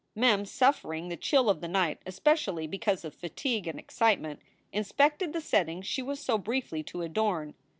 Mem, suffering the chill of the night especially because of fatigue and excitement, inspected the settings she was so briefly to adorn.